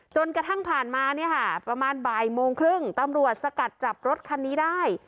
จนกระทั่งผ่านมาเนี่ยค่ะประมาณบ่ายโมงครึ่งตำรวจสกัดจับรถคันนี้ได้